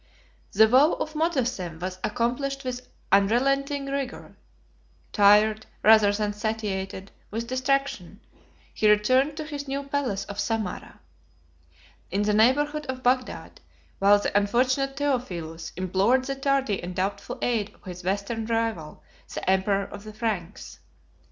The vow of Motassem was accomplished with unrelenting rigor: tired, rather than satiated, with destruction, he returned to his new palace of Samara, in the neighborhood of Bagdad, while the unfortunate 93 Theophilus implored the tardy and doubtful aid of his Western rival the emperor of the Franks.